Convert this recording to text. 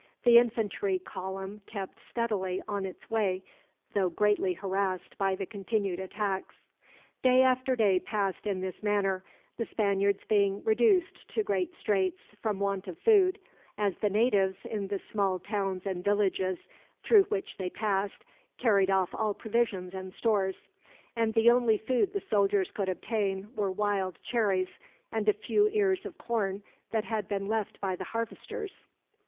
The infantry column kept steadily on its way, though greatly harassed by the continued attacks. Day after day passed in this manner, the Spaniards being reduced to great straits, from want of food; as the natives, in the small towns and villages through which they passed, carried off all provisions and stores; and the only food the soldiers could obtain were wild cherries, and a few ears of corn that had been left by the harvesters.